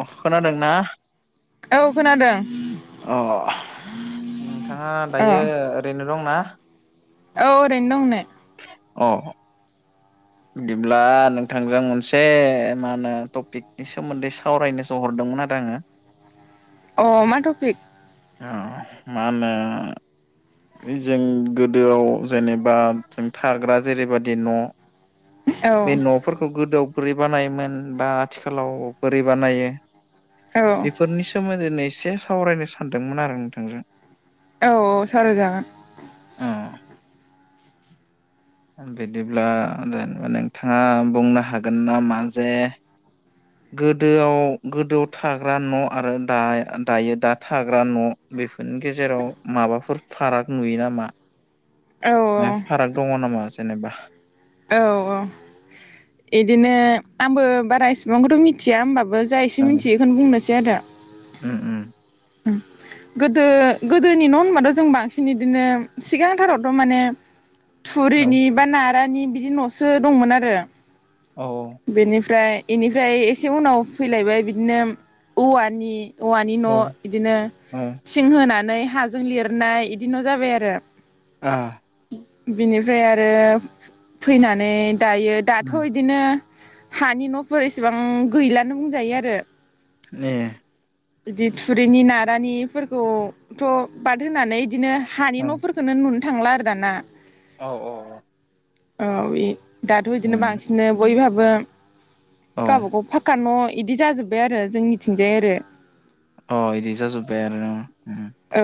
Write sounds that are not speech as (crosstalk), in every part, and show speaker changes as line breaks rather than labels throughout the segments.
अ' खोनादोंना?
औ खोनादों
अ' नोंथाङा
औ
दायो ओरैनो दंना?
औ ओरैनो दं नै।
अ दिब्ला नोंथांजों मोनसे मा होनो टपिकनि सोमोन्दै सावरायनोसो हरदों मोन आरो आङो।
अ' मा टफिक?
अ' मा होनो जों गोदोआव जेनेबा जों थाग्रा जेरैबादि न'
औ
बे न'फोरखौ गोदोआव बोरै बानायोमोन बा आथिखालाव बोरै बानायो
औ
बेफोरनि सोमोन्दैैनो एसे सावरायनो सानदोंमोन आरो नोंथांजों।
औ सावराय जागोन।
अ बिदिब्ला जेनेबा नोंथाङा बुंनो हागोन नामा जे गोदोआव गोदोआव थाग्रा न' आरो दा दायो दा थाग्रा न' बेफोरनि गेजेराव माबाफोर फाराग नुयो नामा?
औ
ओ फाराग दङ नामा जेनेबा?
औ औ इदिनो आंबो बारा इसेबांखौथ' मिथिया होमबाबो जा एसे
ओं
मिथियो इखोनो बुंनो सै आरो।
उम उम।
गोदो गोदोनि न' होनबाथ' जों बांसिन इदिनो सिगांथारावथ' माने
औ
थुरिनि बा नारानि बिदि न'सो दंमोन आरो।
औ
बेनिफ्राय इनिफ्राय एसे उनाव फैलायबाय बिदिनो औवानि औवानि न'
औ
दिनो
औ
थिं होनानै हाजों लिरनाय इदि न' जाबाय आरो।
ओ
बिनिफ्राय आरो फैनानै दायो दाथ'
उम
इदिनो हानि न'फोर एसेबां गैलानो बुंजायो आरो।
ए
इदि थुरिनि नारानिफोरखौथ' बाद होनानै इदिनो हानि न'फोरखौनो नुनो थांला आरो दाना।
औ औ औ।
औ इ दाथ' इदिनो बांसिनो बयहाबो
औ
गावबागाव फाखक्कानि न' इदि जाजोब्बाय आरो जोंनिथिंजाय आरो।
अ' इदि जाजोबाय आरो न'?
औ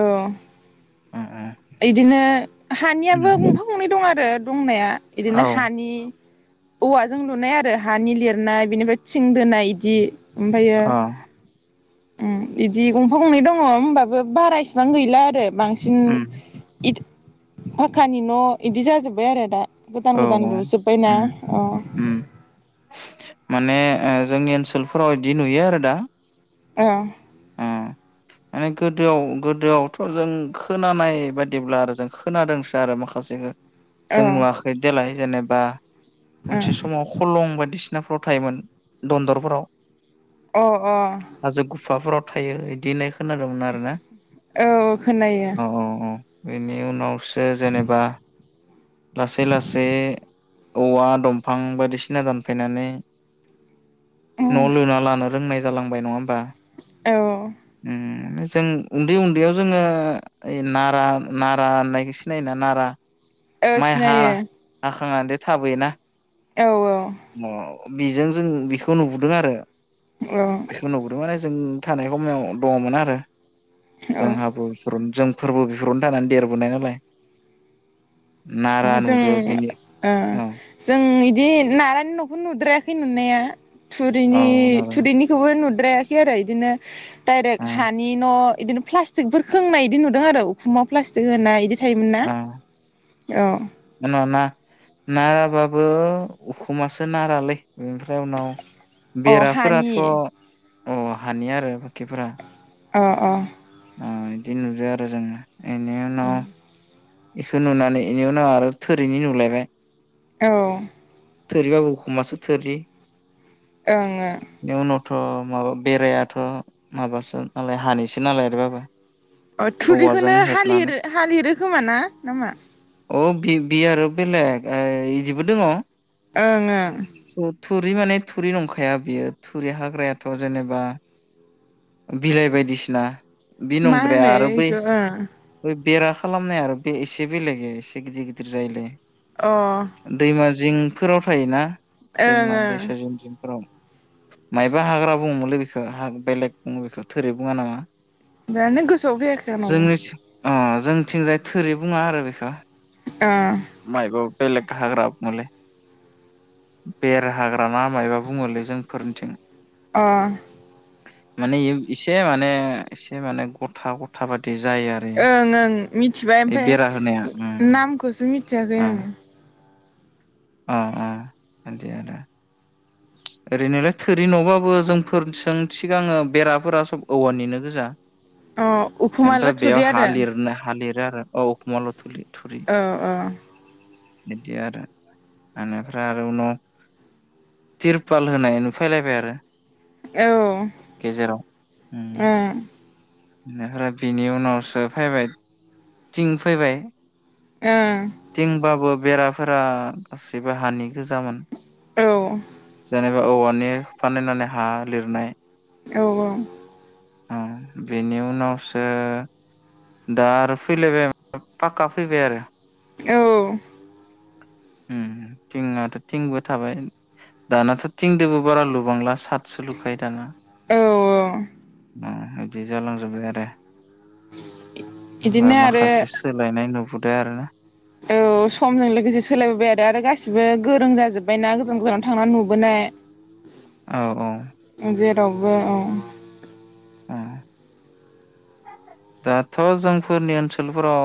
इदिनो हानियाबो
उम
गंफा गंनै दं आरो दंनाया इदिनो हानि औवाजों लुनाय आरो हानि लिरनाय बेनिफ्राय थिं दोनाय इदि। ओमफायो उम इदि गंफा गंनै दङ होमबाबो बारा इसिबां गैला आरो बांसिन इथ फाक्कानि न' इदि जाजोब्बाय आरो दा। गोदान
औ
गोदान लुजुब्बायना
उम
अ।
उम माने ओ जोंनि ओनसोलफोराव इदि नुयो आरो दा।
ओ
उम माने गोदोआव गोदोआवथ' जों खोनानाय बायदिब्ला आरो जों खोनादोंसो आरो माखासेखो।
ओ
जों नुवाखै देलाय जेनेबा मोनसे समाव खलं बायदिसिना थायोमोन दनदरफोराव
ओ अ
हाजो गुफाफोराव थायो बिदि होननाय खोनादोंमोन आरोना
अ औ खोनायो
औ औ औ बेनि उनावसो जेनेबा लासै लासै औवा दंफां बायदिसिना दानफैनानै
उम
न' लुना लानो रोंनाय जालांबाय नङा होमबा
औ
नो जों उन्दै उन्दैयाव जोङो ओइ नारा नारा होननायखौ सिनायोना नारा
औ
माइ हा
सिनायो।
थाबोयोना
औ औ।
बेजों जों बेखौ नुबोदों आरो
औ
बेखौ नुबोदों मे जों थानाय सम दङमोन आरो
औ औ
जोंहाब ज फोरबो बेफोरावनो थानानै देरबोनाय नालाय नारा
जों
नुदो बिनि औ
जोंनि बिदि नारानि न'खौ नुद्रायाखै नुनाया
औ नारा
थुरैनिखौबो नुद्रा आरो बिदिनो दडाइरेक्ट
ओ
हानि न' बिदिनो प्लास्टिकफोर खोंनाय बिदि नुदों आरो उखुमाव प्लास्टिक होनाय बिदि थायोमोन ना औ
मा ना नाराबाबो उखुमासो नारालै बेनिफ्राय उनाव
अ हानि
बेराफोराथ' औ हानि आरो बाखिफोरा
अ अ
आ बिदि नुदो आरो जोङो इनि उनाव बेखौ नुनानै बेनि उनाव आरो थोरिनि नुलायबाय
औ
थोरिबाबो उखुमासो थोरि।
आ ओङो
थ' माबा बेरायाथ' माबासो नालाय हानैसो नालाय आरोबाबो
अ
औवाजों
थुरिखौनो
हेबनानै
हालिरो हालिरो खोमा ना नामा
औ बि आरो बेलेग बिदिबो दङ
ओं ओं
थुरि माने थुरि नंखाया बियो थुरि हाग्रायाथ' जेनेबा बिलाइ बायदिसिना बे
मा
नंद्राया
होनो
आरो बै
इखौ ओं
बेरा खालामनाय आरो बे एसे बेलेग एसे गिदिर गिदिर जायोलाय
अ
जिंफोराव थायोना दैमा
ओं
दैसा जिं जिंफोराव। मायबा हाग्रा बुङोमलै बेखौ बेलेग बुङो बेखौ थोरै बुङा नामा
जानो गोसोआव फैयाखै आंनावबो
जोंनि अ जोंथिंजाय थोरि बुङा आरो बेखौ
अ।
मायबा बेलेग हाग्रा मोनलै बेर हाग्रा ना मायबा बुङोलै जोंफोरनिथिं
अ।
माने इयो इसे माने एसे माने गथा गथा बायदि जायो आरो
ओं मिथिबाय
बे
ओमफ्राय
बेरा होनाया ओ
नामखौसो मिथियाखै ओं
अ आ दे आरो ओरैनोलाय थोरि न'बाबो जोंफोरजों थिगाङो बेराफोरा सब औवानिनो गोजा
अ उखुमा
ओमफ्राय बेयाव
लाथुरि
हा
आरो
लिरनो हा लिरो आरो अ उखमा ल'थुलि
औ औ
बिदि आरो आरो बेनिफ्राय आरो उनाव तिरपाल होनाय फैलायबाय आरो
औ
गेजेराव ओम
(inaudible) ओ
बेनिफ्राय बिनि उनावसो फैबाय थिं फैबाय
औ
थिंबाबो बेराफोरा गासैबो हानि गोजामोन
औ
जेनेबा औवानि फानायनानै हा लिरनाय
औ औ
ओ बेनि उनावसो दा आरो फैलायबाय पक्का फैबाय आरो
औ
ओम थिंआथ थिंबो थाबाय दानाथ थिंजोंबो बारा लुबांला साथ सोलुखायो दाना
औ
अ बिदि जालांजोबबाय आरो होमबा
बिदिनो आरो
माखासे सोलायनाय नुब बाय आरोना
औ समजों लोगोसे सोलायबोबाय आरो आरो गासिबो गोरों जाजोब्बायना गोजान गोजानाव थांनानै नुबोनाय
औ औ
(unintelligible)
(inaudible) दाथ' जोंफोरनि ओनसोलफोराव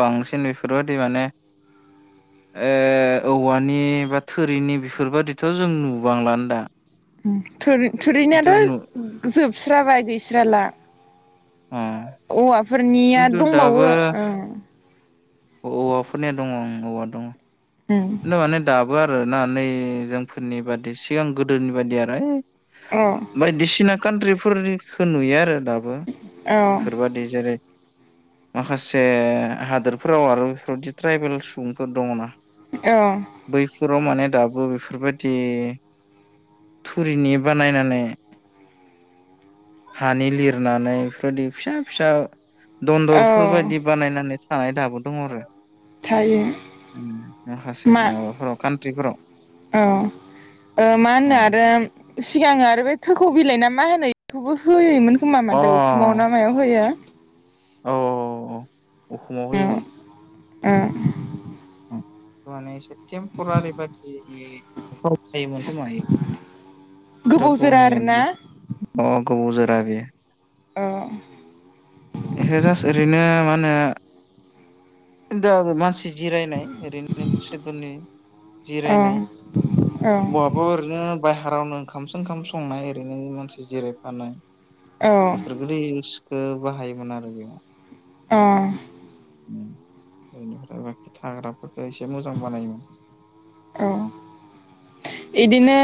बांसिन बेफोरबायाददि माने ओ औवानि बा थोरिनि बेफोरबायादिथजों नुबांलानो दा
ओम
खिन्थु नु
थुरिनायाथ' जोबस्राबाय गैस्राला
अ
औवाफोरनिया
खिन्थु
दंबावो
दाबो
ओ
औवाफोरनिया दंङ ओं औवा दङ
ओं
खिन्थु माने दाबो आरो फोर ना नै जोंफोरनि बादि सिगां गोदोनि बायदि आरो ऐ
औ
बायदिसिना कान्ट्रिफोरनिखौ नुयो आरो दाबो बेफोरबायदि जेरै माखासे हादोरफोराव आरो बेफोरबदि ट्राइबेल सुबुंफोर दंङना
औ
फोराव माने दाबो बेफोरबायदि थुरिनि बानायनानै हानि लिरनानै बेफोरबायदि फिसा फिसा
औ
दन्दरफोर बायदि बानायनानै थानाय दाबो दंङ आरो
थायो
माखासे
मा
माबाफोराव कान्ट्रिफोराव
औ ओ मा
अ
होनो आरो सिगां आरो बे थोखौ बिलाइ ना मा होनो बेखौबो होयोमोन खोमा
औ
मा दोखुमाव ना मायाव होयो
औ उखुमाव होयोमोन
ओ
माने एसे थेमपरारि बायदि
गोबाव जोरा आरोना
(unintelligible) बा बेयो
औ
बेखाय जास्ट ओरैनो मा होनो मानसि। जिरायनाय ओरैनो दसे दननि
औ
जिरायनाय।
औ
बहाबो ओरैनो बायहारावनो। ओंखामसो ओंखाम संनाय ओरैनो मानसि जिरायफानाय
औ
बेफोरफोरखौदि। बाहायोमोन आरो बेयाव।
ए।
बेनिफ्राय बाखि थाग्रा।
(inaudible) औ इदिनो।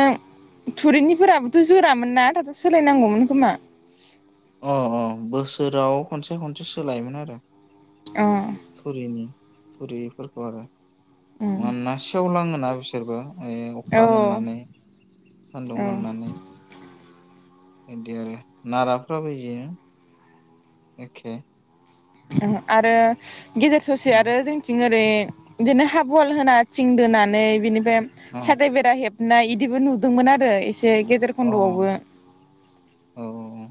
थुरिनिफोराबोथ जोरामोन न दाथ सोलायनांगौमोन खोमा।
अ अ बोसोराव खनसे खनसे सोलायोमोन आरो
अ
थुरिनि थुरिफोरखौ आरो
उम
मोनानोना सेवलाङोना बिसोरबो अखा
औ
मोननानै सान्दुं
औ
मोननानै बिदि आरो नाराफ्राबो बिदिनो एखे
आरो गेजेर ससे
अ
आरो जोंथिं बिदिनो हाब वाल होना थिं दोनानै बिनिफ्राय
अ
साथाइ बेरा हेब ना इदिबो नुदोंमोन आरो एसे गेजेर
औ
खन्द'आवबो
औ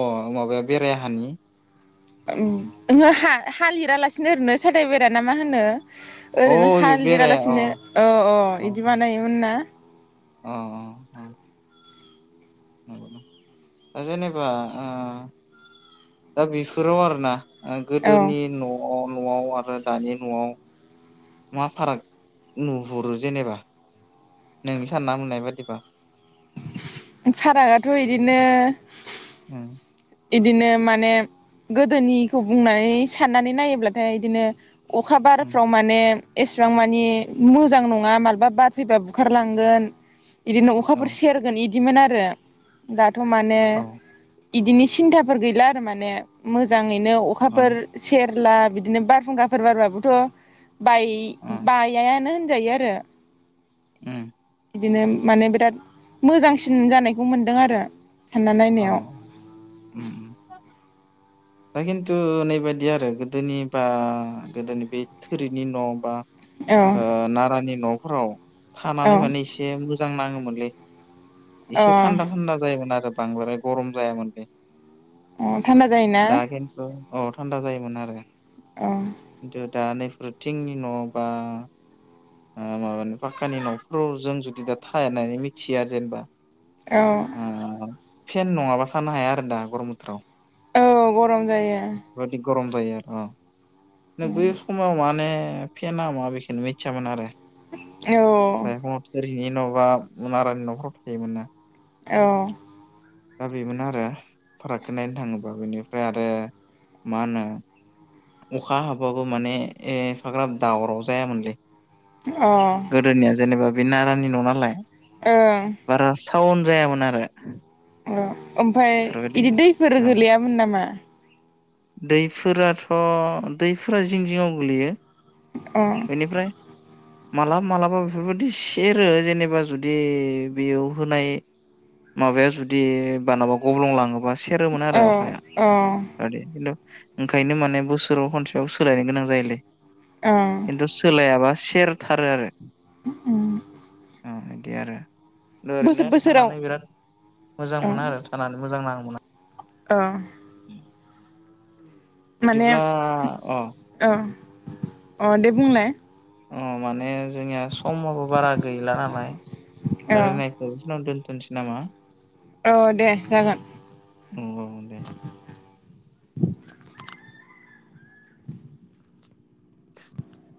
अ माबाया बेरायहानि
ओंम हा लिरालासिनो ओरैनो सथायबायरायाना मा होनो।
अ
ओरैनो
बे बेराया
हालदिरालासिनो अ अ बिदि बानायोमोन ना
औ औ दा जेनेबा दा बेफोराव आरोना
औ
गोदोनि न' न'आव आरो दानि न'आव मा फाराग नुहुरो जेनेबा नोंनि सानना मोननाय बादिबा
फारागाथ' बिदिनो
उम
इदिनो माने गोदोनिखौ बुंनानै साननानै नायोब्लाथाय इदिनो अखा
उम
बारफ्राव माने एसेबां मानि मोजां नङा माबबा बार फैबा बुखारलांगोन बिदिनो
औ
अखाफोर सेरगोन बिदिमोन आरो दाथ' माने
औ
बिदिनो सिन्थाफोर गैला आरो माने मोजाङैनो
अ
अखाफोर सेर ला बिदिनो बार फुंखाफोर बारबाबोथ' बाय
अ
बायानो होन जायो आरो
उम।
बिदिनो माने बिराद मोजांसिन जानायखौ मोनदों आरो सान्ना
औ
नायनायाव
उम दा खिन्थु नैबाददि आरो गोदोनि बा गोदोनि बे थोरिनि न' बा।
औ
आ नारानि न'फोराव
औ
थानानै माने एसे मोजां नाङोमोनलै एसे
अ
थान्दा थान्दा जायोमोन आरो बांद्राय गरम जायामोन बे
अ थान्दा जायोना
अ थान्दा जायोमोन आरो।
अ
खिन्थु दा नैफोरथिनि न' बा माबानि पाक्कानि न'फोराव जों जुदि दा थनानै मिथिया जेनबा
औ
फेन नङाबा फानो हाया आरो दा गरम बोथोराव
औ गरम जायो।
बेबायदि गरम जायो आरो अ बै समाव माने फेेन मा बेखौनो मिथियामोन आरो
औ
जेनबा बारानि न'खराव थायोमोन ना?
औ
दा बेमोन आरो फारागखौ नायनो थाङोबा बेनिफ्राय आरो मा होनो? अखा हाबाबो माने एफाग्राब दावराव जायामोनलै
अ ओं
गोदोनिया जेनेबा बे नारानि न' नालाय
ओं
टाउन जायामोन आरो
उम ओमफाय
बेफोरबायदि
इदि दैफोर गोलैयामोन नामा?
दैफोराथ' दैफोरा जिं जिंङाव गोलैयो।
अ
बेनिफ्राय मालाबा मालाबा बेफोरबायदि सेरो जेनेबा जुदि बेयाव होनाय माबाया जुदि बानाबा गब्लं लाङोबा सेरोमोन आरो
औ
अखाया।
औ
इदि खिन्थु ओंखायनो माने बोसोराव खनसेयाव सोलायनो गोनां जायोलै।
औ
खिन्थु सोलायाबा सेरथारो आरो।
उम।
ओ इदि आरो,
बोसोर
ओरैनो
बोसोराव
थानानै बिराद मोजां मोना आरो थानानै मोजां नाङो। (unintelligible)
ओ। माने
बिदिब्ला अ
ओ अ' दे बुंलाय?
अ' माने जोंनिया समाबो बारा गैला नालाय
औ
रायलायनायखौ बेखिनि आवनो दोनथन सै नामा?
औ दे जागोन।
औ औ दे (inaudible)